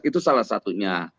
itu salah satunya